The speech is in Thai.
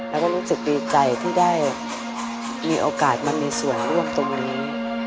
แล้วก็รู้สึกดีใจที่ได้มีโอกาสมามีส่วนร่วมตรงวันนี้